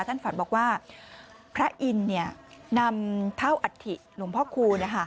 ท่านฝันบอกว่าพระอินทร์นำเท่าอัฐิหลวงพ่อคูณ